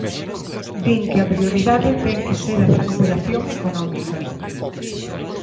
Din que a prioridade ten que ser a recuperación económica.